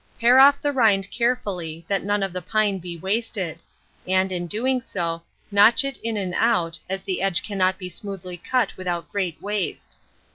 Pare off the rind carefully, that none of the pine be wasted; and, in doing so, notch it in and out, as the edge cannot be smoothly cut without great waste.